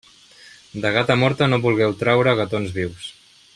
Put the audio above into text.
De gata morta no vulgueu traure gatons vius.